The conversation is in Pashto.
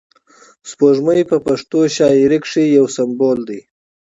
سپوږمۍ په پښتو شاعري کښي یو سمبول دئ.